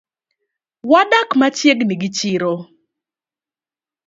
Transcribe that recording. Wadak machiegni gi chiro